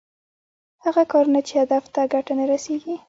هغه کارونه چې هدف ته ګټه نه رسېږي.